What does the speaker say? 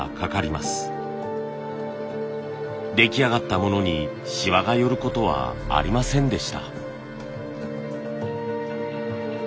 出来上がったものにシワが寄ることはありませんでした。